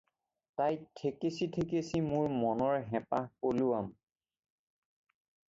তাইক ঠেকেচি ঠেকেচি মোৰ মনৰ হেঁপাহ পলুৱাম।